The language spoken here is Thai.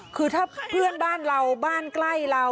คือถ้าเพื่อนบ้านเราบ้านใกล้เรา